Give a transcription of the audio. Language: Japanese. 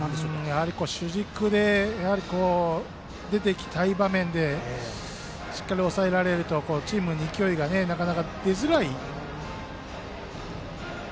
やはり主軸で出て行きたい場面でしっかり抑えられるとチームに勢いがなかなか出づらい。